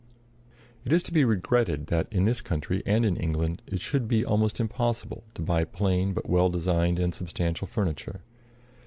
It is to be regretted that, in this country and in England, it should be almost impossible to buy plain but well designed and substantial furniture.